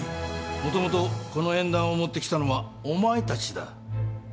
もともとこの縁談を持ってきたのはお前たちだ。